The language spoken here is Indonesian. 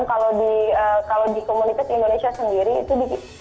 kalau di komunitas indonesia sendiri itu di